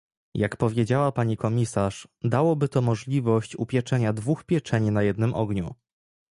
Jak powiedziała pani komisarz, dałoby to możliwość upieczenia dwóch pieczeni na jednym ogniu